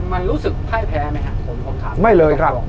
มันรู้สึกไพร้แพร่ไหมครับผมถาม